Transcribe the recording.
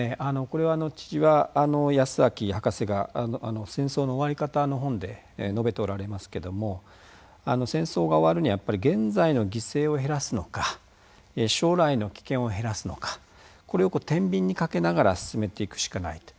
これは千々和泰明博士が戦争の終わり方の本で述べておられますけども戦争が終わるにはやっぱり現在の犠牲を減らすのか将来の危険を減らすのかこれをてんびんにかけながら進めていくしかないと。